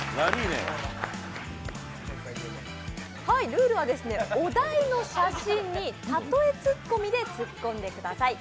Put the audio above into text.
ルールは、お題の写真にたとえツッコミで突っ込んでください。